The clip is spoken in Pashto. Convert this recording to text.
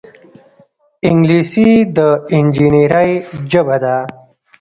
انګلیسي د انجینرۍ ژبه ده